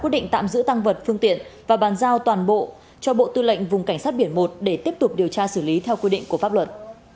định tạm giữ tăng vật phương tiện và bàn giao toàn bộ cho bộ tư lệnh vùng cảnh sát biển một để tiếp tục điều tra xử lý theo quy định của pháp luật